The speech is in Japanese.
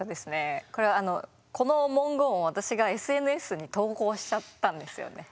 これこの文言を私がＳＮＳに投稿しちゃったんですよね。